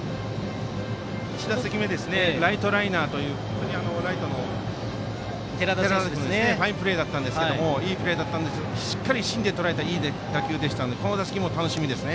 １打席目はライトライナーというファインプレーだったんですがしっかり芯でとらえたいい打球だったのでこの打席も楽しみです。